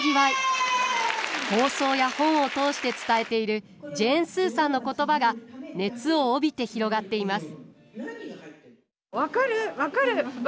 放送や本を通して伝えているジェーン・スーさんの言葉が熱を帯びて広がっています。